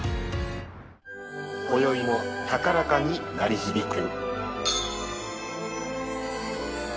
こよいも高らかに鳴り響く。